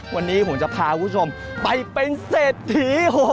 วันนี้ผมจะพาคุณผู้ชมไปเป็นเศรษฐี